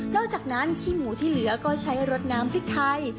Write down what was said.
อกจากนั้นขี้หมูที่เหลือก็ใช้รสน้ำพริกไทย